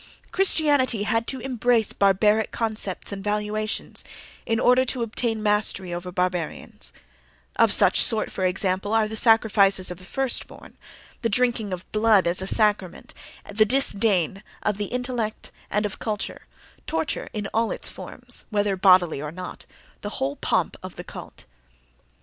Christianity had to embrace barbaric concepts and valuations in order to obtain mastery over barbarians: of such sort, for example, are the sacrifices of the first born, the drinking of blood as a sacrament, the disdain of the intellect and of culture; torture in all its forms, whether bodily or not; the whole pomp of the cult.